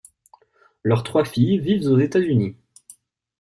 Leurs trois filles vivent aux États-Unis.